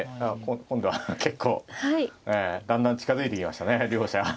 ええだんだん近づいてきましたね両者。